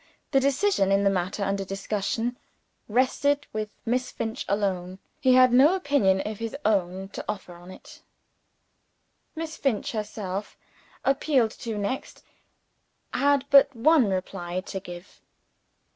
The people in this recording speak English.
The decision in the matter under discussion rested with Miss Finch alone. He had no opinion of his own to offer on it. Miss Finch herself, appealed to next: Had but one reply to give.